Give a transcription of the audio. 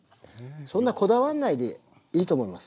そんなこだわんないでいいと思います。